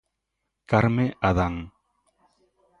Carme Adán.